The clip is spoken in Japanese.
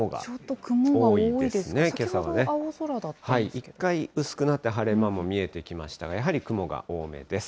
一回薄くなって、晴れ間も見えてきましたが、やはり雲が多めです。